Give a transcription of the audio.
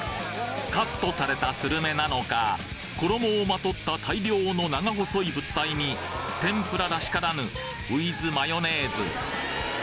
カットされたするめなのか衣をまとった大量の長細い物体に天ぷららしからぬウィズマヨネーズ